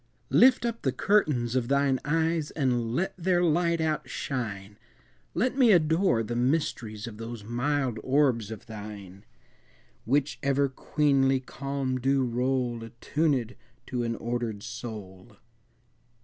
I. Lift up the curtains of thine eyes And let their light outshine! Let me adore the mysteries Of those mild orbs of thine, Which ever queenly calm do roll, Attunèd to an ordered soul!